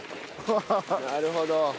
なるほど。